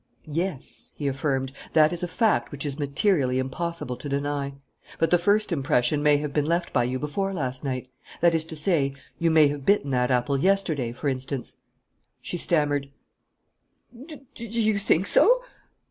"Yes," he affirmed. "That is a fact which it is materially impossible to deny. But the first impression may have been left by you before last night, that is to say, you may have bitten that apple yesterday, for instance " She stammered: "Do you think so?